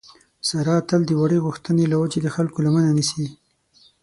ساره تل د وړې غوښتنې له وجې د خلکو لمنه نیسي.